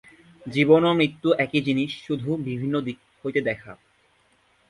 জীবন ও মৃত্যু একই জিনিষ, শুধু বিভিন্ন দিক হইতে দেখা।